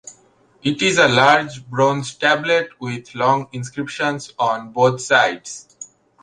It is a large bronze tablet with long inscriptions on both sides.